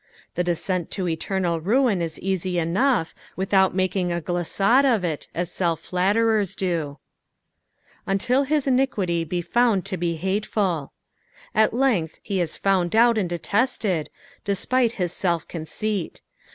The descent to eternal rnin is easj enough, without making a glisHade of it, as aelf fiBtterers do. " Until hu t/ii^t(y bt found U) be haS^vl." At length he is found out and detested, despite hia aeU conceit.